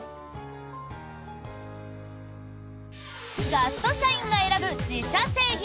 ガスト社員が選ぶ自社製品。